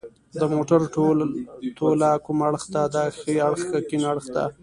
د موټر توله کوم اړخ ته ده ښي اړخ که کیڼ اړخ ته